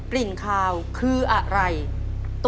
ขอเชยคุณพ่อสนอกขึ้นมาต่อชีวิต